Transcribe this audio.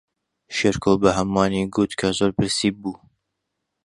شێرکۆ بە ھەمووانی گوت کە زۆر برسی بوو.